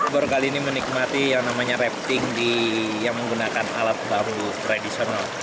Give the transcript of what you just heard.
baru kali ini menikmati yang namanya rapting yang menggunakan alat bambu tradisional